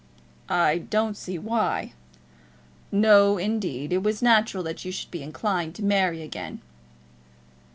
"I don't see why." "You don't?" "No, indeed. It was natural that you should be inclined to marry again."